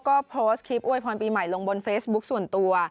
ก็โพสต์คลิปอวยพรปีใหม่ลงบนเฟซบุ๊คส่วนตัว